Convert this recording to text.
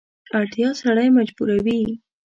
اړتیا سړی مجبوروي.